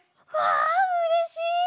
あうれしい！